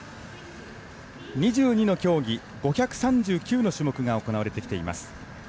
２２の競技、５３９の種目が行われてきています。